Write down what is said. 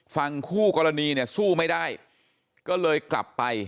ฝั่งคู่กรณีเนี่ยสู้ไม่ได้ก็เลยกลับไป